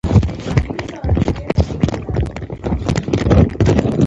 آهنګر وویل ملګري دا چپنه د زندان مشر ته راوړې.